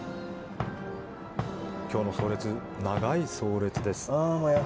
今日の葬列、長い葬列です。